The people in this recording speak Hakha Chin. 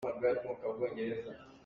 Ka thangṭhat.